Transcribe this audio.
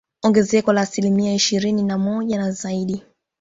Ongezeko la asilimia ishirini na moja na zaidi